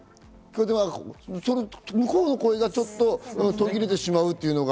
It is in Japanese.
向こうの声がちょっと途切れてしまう。